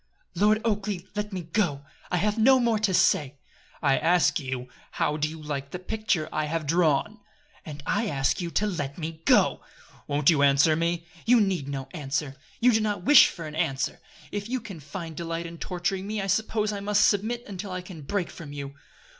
"Lord Oakleigh! Let me go! I have no more to say." "I ask you, how do you like the picture I have drawn?" "And I ask you to let me go." "Won't you answer me?" "You need no answer. You do not wish for an answer. If you can find delight in torturing me I suppose I must submit until I can break from you."